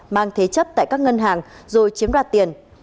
mang thế chấp tại các ngân hàng rồi chiếm đoạt tiền